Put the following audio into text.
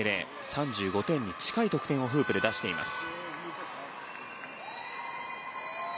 ３５点に近い得点をフープで出しています。